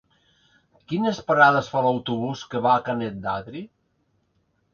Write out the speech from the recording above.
Quines parades fa l'autobús que va a Canet d'Adri?